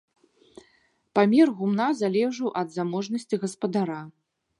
Памер гумна залежаў ад заможнасці гаспадара.